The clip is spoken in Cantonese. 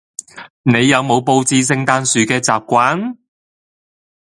你有冇佈置聖誕樹嘅習慣？